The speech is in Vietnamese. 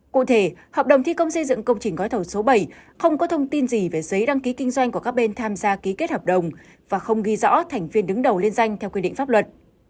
cụ thể hợp đồng thi công xây dựng công trình gói thầu số bảy không có thông tin gì về giấy đăng ký kinh doanh của các bên tham gia ký kết hợp đồng và không ghi rõ thành viên đứng đầu liên danh theo quy định pháp luật